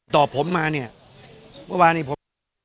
ตอบผมมาเนี่ยเมื่อวานนี้ผม